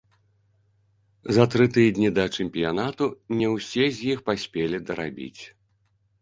За тры тыдні да чэмпіянату не ўсе з іх паспелі дарабіць.